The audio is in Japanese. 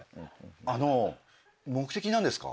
あの目的何ですか？